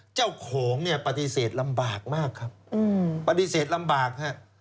เจ้าของเนี่ยปฏิเสธลำบากมากครับปฏิเสธลำบากฮะ